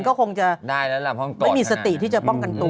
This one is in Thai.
ก็คงจะไม่มีสติที่จะป้องกันตัว